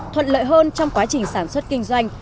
thuận lợi hơn trong quá trình sản xuất kinh doanh